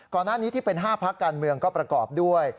ก่อนหน้านี้ที่เป็น๕พักการเมืองก็ประกอบด้วย